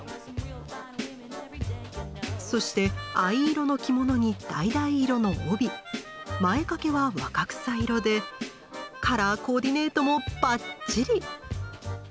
そして藍色の着物に橙色の帯前掛けは若草色でカラーコーディネートもばっちり！